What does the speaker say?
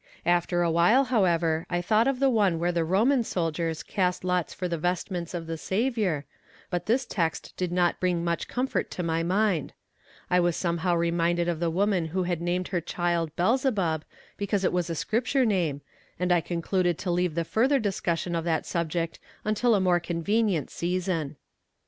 After a while, however, I thought of the one where the Roman soldiers cast lots for the vestments of the Saviour, but this text did not bring much comfort to my mind; I was somehow reminded of the woman who had named her child Beelzebub because it was a Scripture name, and I concluded to leave the further discussion of the subject until a more convenient season.